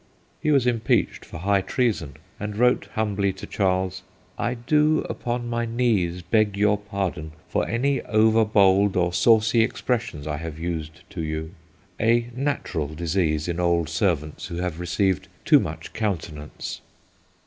He was impeached for high treason, and wrote humbly to Charles, * I do upon my knees beg your pardon for any over bold or saucy expressions I have used to you ... a natural disease in old servants who have received too much countenance.'